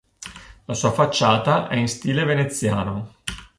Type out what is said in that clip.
La sua facciata è in stile veneziano.